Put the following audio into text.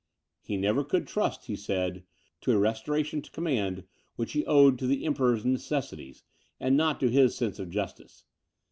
"He never could trust," he said, "to a restoration to command, which he owed to the Emperor's necessities, and not to his sense of justice.